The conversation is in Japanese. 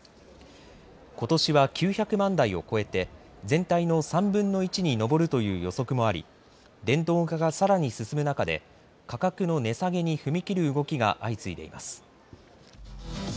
ことしは９００万台を超えて全体の３分の１に上るという予測もあり電動化がさらに進む中で価格の値下げに踏み切る動きが相次いでいます。